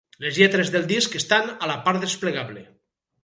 Les lletres del disc estan a la part desplegable.